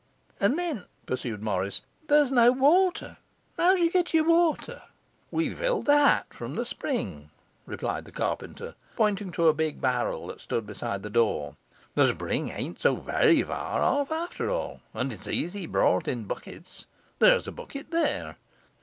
'And then,' pursued Morris, 'there's no water. How do you get your water?' 'We fill THAT from the spring,' replied the carpenter, pointing to a big barrel that stood beside the door. 'The spring ain't so VERY far off, after all, and it's easy brought in buckets. There's a bucket there.